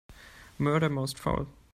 Murder most foul